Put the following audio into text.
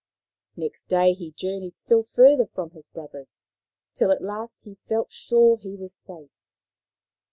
Next day he journeyed still further from his brothers, till at last he felt sure he was safe.